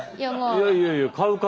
いやいやいや買う買う。